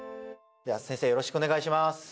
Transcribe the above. では先生よろしくお願いします！